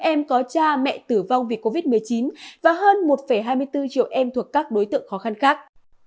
một năm trăm linh em có cha mẹ tử vong vì covid một mươi chín và hơn một hai mươi bốn triệu em thuộc các đối tượng khó khăn khác